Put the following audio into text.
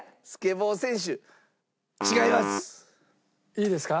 いいですか？